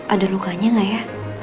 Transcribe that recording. ada lukanya gak ya